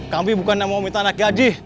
kami bukan mau minta naik gaji